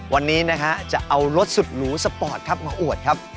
วันนี้นะฮะจะเอารถสุดหรูสปอร์ตครับมาอวดครับ